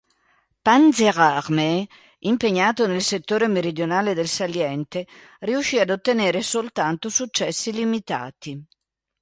Panzerarmee", impegnato nel settore meridionale del saliente, riuscì ad ottenere soltanto successi limitati.